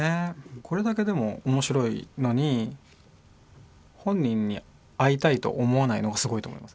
これだけでも面白いのに本人に会いたいと思わないのがすごいと思います。